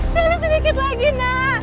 selly sedikit lagi nak